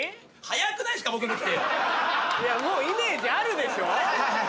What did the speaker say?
もうイメージあるでしょ？